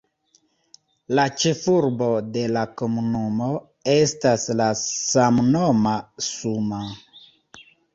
La ĉefurbo de la komunumo estas la samnoma "Suma".